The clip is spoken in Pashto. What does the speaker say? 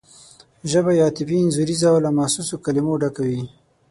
ژبه یې عاطفي انځوریزه او له محسوسو کلمو ډکه وي.